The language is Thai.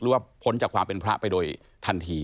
หรือว่าพ้นจากความเป็นพระไปโดยทันที